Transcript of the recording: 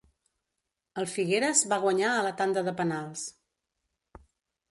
El Figueres va guanyar a la tanda de penals.